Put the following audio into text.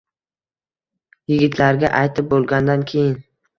Yigitlarga aytib bo’lgandan keyin